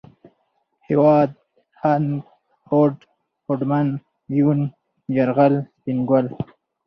هېواد ، هاند ، هوډ ، هوډمن ، يون ، يرغل ، سپين ګل